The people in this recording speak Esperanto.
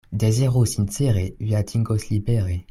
Deziru sincere, vi atingos libere.